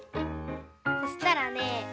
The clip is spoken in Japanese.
そしたらね